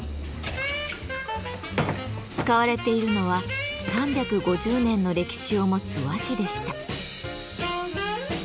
使われているのは３５０年の歴史を持つ和紙でした。